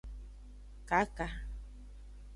Kaka.